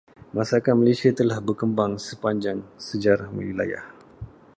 Masakan Malaysia telah berkembang sepanjang sejarah wilayah.